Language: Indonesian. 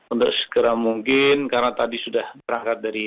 untuk segera mungkin karena tadi sudah berangkat dari